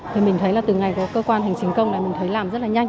cơ quan hành chính công là mình thấy làm rất là nhanh